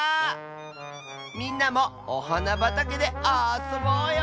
みんなもおはなばたけであそぼうよ。